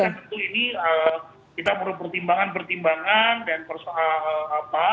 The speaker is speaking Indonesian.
tapi tentu ini kita menurut pertimbangan pertimbangan dan persoal apa